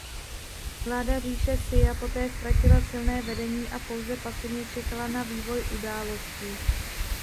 Vláda říše Sia poté ztratila silné vedení a pouze pasivně čekala na vývoj událostí.